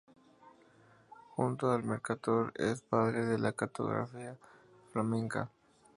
Junto con Mercator, es el padre de la cartografía flamenca.